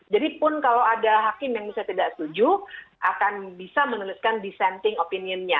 jadi pun kalau ada hakim yang bisa tidak setuju akan bisa menuliskan dissenting opinionnya